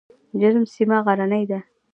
جرم سیمه غرنۍ ده؟